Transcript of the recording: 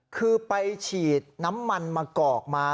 คือไปฉีดน้ำมันมากอกมา